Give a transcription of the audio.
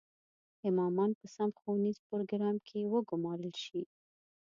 امامان په سم ښوونیز پروګرام کې وګومارل شي.